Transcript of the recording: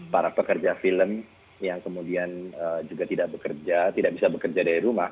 para pekerja film yang kemudian juga tidak bekerja tidak bisa bekerja dari rumah